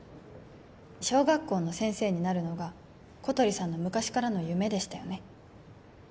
小学校の先生になるのが小鳥さんの昔からの夢でしたよね